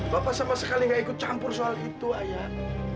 bapak sama sekali nggak ikut campur soal itu ayah